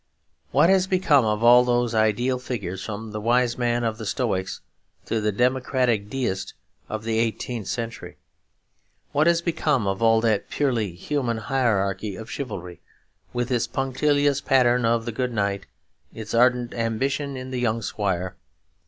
What has become of all those ideal figures from the Wise Man of the Stoics to the democratic Deist of the eighteenth century? What has become of all that purely human hierarchy of chivalry, with its punctilious pattern of the good knight, its ardent ambition in the young squire?